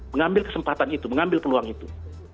mengambil kesempatan itu mengambil peluang itu